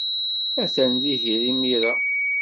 Atan dihin imir-a.